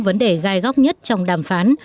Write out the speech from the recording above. vấn đề gai góc nhất trong đàm phán